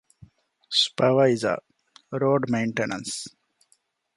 ސްޕަވައިޒަރ، ރޯޑް މެއިންޓެނަންސް